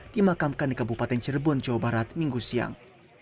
dimakamkan di kabupaten cirebon jawa barat minggu siang